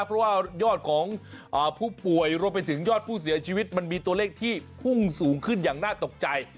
เพราะว่ายอดของผู้ป่วยรวมไปถึงยอดผู้เสียชีวิตมันมีตัวเลขที่พุ่งสูงขึ้นอย่างน่าตกใจ